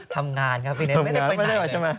ทำงานครับพี่เน็ตไม่ได้ไปไหนเลยกันด้วยนะ